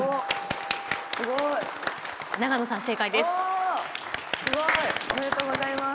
すごい。